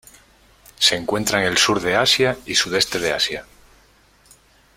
Se encuentra en el Sur de Asia y Sudeste de Asia.